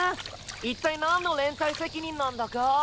一体何の連帯責任なんだか。